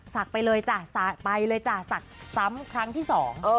สักไปเลยจ้ะสักไปเลยจ้ะสักซ้ำครั้งที่สอง